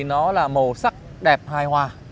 nó là màu sắc đẹp hài hòa